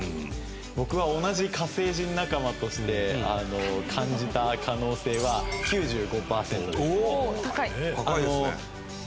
僕は同じ火星人仲間として感じた可能性は９５パーセントです。